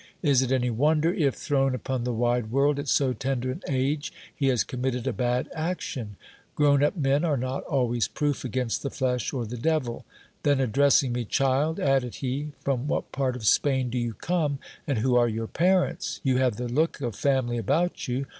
Is it any wonder if, thrown upon the wide world at so tender an age, he has committed a bad action ? Grown up men are not always proof against the flesh or the devil. Then, addressing me, Child, added he, from what part of Spain do you come, and who are your parents ? You have the look of family about you.